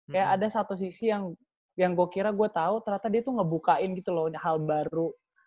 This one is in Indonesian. kayak ada satu sisi yang gue kira gue tau ternyata dia tuh ngebukain gitu loh hal baru